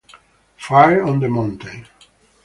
Fire on the Mountain